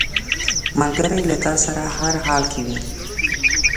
ملګری له تا سره هر حال کې وي